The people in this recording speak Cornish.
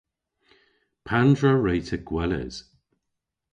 Pandr'a wre'ta gweles?